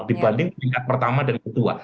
dibanding peringkat pertama dan kedua